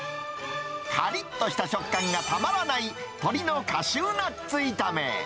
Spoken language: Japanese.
かりっとした食感がたまらない、鶏のカシューナッツ炒め。